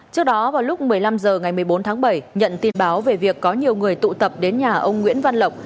trước đó vào lúc một mươi năm h ngày một mươi bốn tháng bảy nhận tin báo về việc có nhiều người tụ tập đến nhà ông nguyễn văn lộc